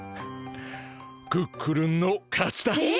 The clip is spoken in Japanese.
クックルンの勝ちだ！え？